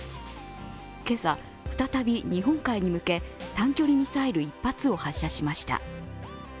今朝、再び日本海に向け、短距離ミサイル１発を発射しました。